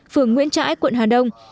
phường nguyễn trãi quận hà đông